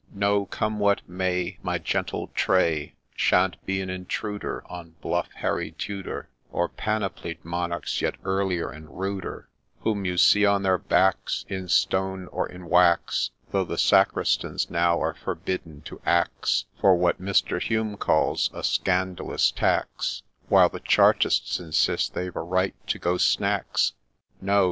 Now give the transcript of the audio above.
No !— ctome what may, My gentle Tray Shan't be an intruder on bluff Harry Tudor, Or panoplied monarchs yet earlier and ruder Whom you see on their backs, In stone or in wax, Though the Sacristans now are ' forbidden to ax * For what Mr. Hume calls ' a scandalous tax ;' While the Chartists insist they've a right to go snacks. No